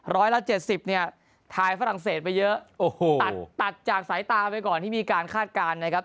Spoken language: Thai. ร้อยละ๗๐เนี่ยทายฝรั่งเศสไปเยอะตัดจากสายตาไปก่อนที่มีคาดการณ์นะครับ